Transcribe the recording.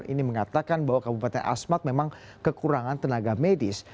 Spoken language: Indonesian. ini mengatakan bahwa kabupaten asmat memang kekurangan tenaga medis